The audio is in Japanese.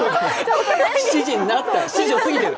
７時になった、７時を過ぎてる。